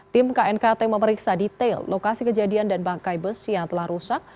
tim knkt memeriksa detail lokasi kejadian dan bangkai bus yang telah rusak